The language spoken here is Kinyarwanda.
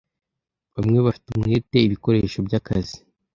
Bamwe bafite umwete ibikoresho byakazi.